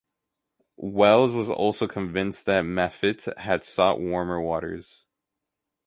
Welles was also convinced that Maffitt had sought warmer waters.